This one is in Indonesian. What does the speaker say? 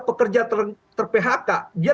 pekerja ter phk dia